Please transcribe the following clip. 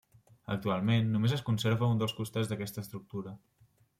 Actualment només es conserva un dels costats d'aquesta estructura.